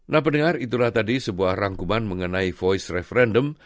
nah pendengar itulah tadi sebuah rangkuman mengenai voice referendum